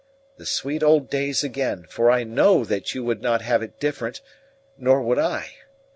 The sweet old days again; for I know that you would not have it different, nor would I.